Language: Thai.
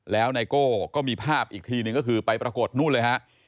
แล้วไนโก้ก็มีภาพอีกทีนึงก็คือไปปรากฏนู่นเลยฮะ